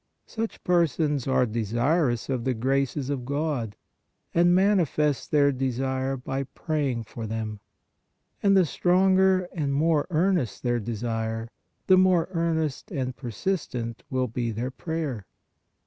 Such persons are desirous of the graces of God, and manifest their desire by praying for them; and the stronger and more earnest their desire, the more earnest and persistent will be their prayer.